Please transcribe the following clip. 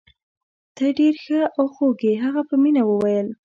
ته ډیر ښه او خوږ يې. هغه په مینه وویل.